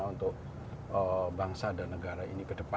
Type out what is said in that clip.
untuk bangsa dan negara ini ke depan